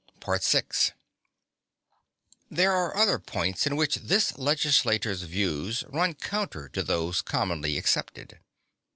19. VI There are other points in which this legislator's views run counter to those commonly accepted.